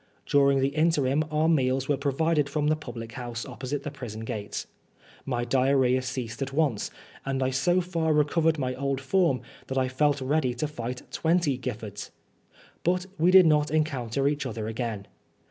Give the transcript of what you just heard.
During the interim our meals were provided from the public house opposite the prison gates. My diarrhoea ceased at once, and I so far recovered my old form that I felt ready to fight twenty GiflEards. But we did not en counter each other again.